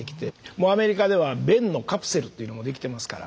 もうアメリカでは便のカプセルというのも出来てますから。